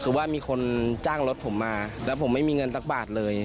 คือว่ามีคนจ้างรถผมมาแล้วผมไม่มีเงินสักบาทเลย